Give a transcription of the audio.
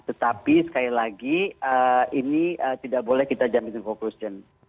tetapi sekali lagi ini tidak boleh kita jaminin konkursi